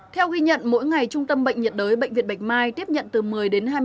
theo ghi nhận mỗi ngày trung tâm bệnh nhiệt đới bệnh viện bạch mai tiếp nhận từ một mươi đến hai mươi ca